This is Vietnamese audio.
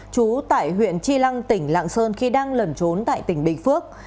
trú tại huyện chi lăng tỉnh lạng sơn khi đang lẩn trốn tại tỉnh bình phước